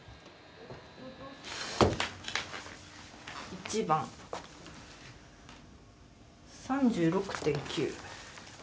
１番３６．９。